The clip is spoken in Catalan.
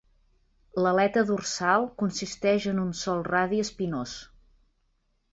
L'aleta dorsal consisteix en un sol radi espinós.